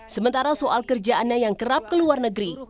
sementara soal kerjaannya yang kerap ke luar negeri